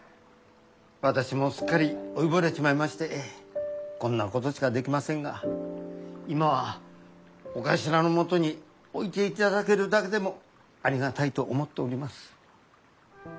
私もすっかり老いぼれちまいましてこんなことしかできませんが今はお頭のもとに置いていただけるだけでもありがたいと思っております。